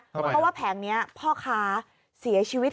เพราะว่าแผงนี้พ่อค้าเสียชีวิต